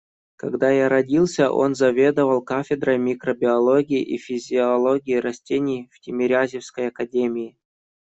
Когда я родился, он заведовал кафедрой микробиологии и физиологии растений в Тимирязевской академии.